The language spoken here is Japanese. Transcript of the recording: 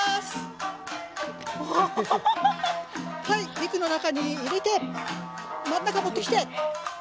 ビクの中に入れてまん中もってきて。